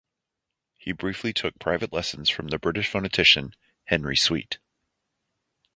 He briefly took private lessons from the British phonetician Henry Sweet.